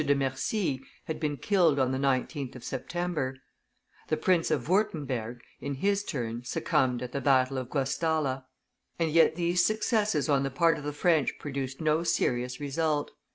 de Mercy, had been killed on the 19th of September; the Prince of Wurtemberg, in his turn, succumbed at the battle of Guastalla, and yet these successes on the part of the French produced no serious result.